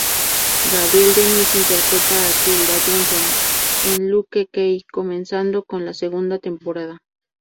Gabrielle Dennis interpreta a Tilda Johnson en "Luke Cage",comenzando con la segunda temporada.